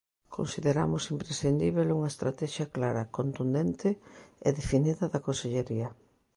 Consideramos imprescindíbel unha estratexia clara, contundente e definida da Consellería.